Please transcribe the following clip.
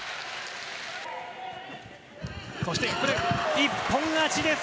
そして、一本勝ちです。